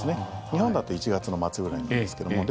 日本だと１月の末くらいなんですけども。